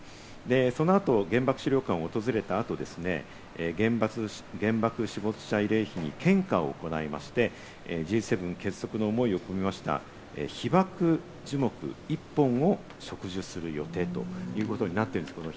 その後、原爆資料館を訪れた後ですね、原爆死没者慰霊碑に献花を行いまして、Ｇ７結束の思いを込めました被爆樹木１本を植樹する予定ということになっているんですけれども。